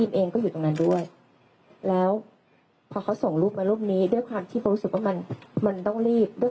กับการออกมาให้คำค่าสื่อแบบนี้เนี่ยการเป็นแกรกว่าตอนนี้คุณโบ